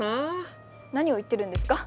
何を言ってるんですか？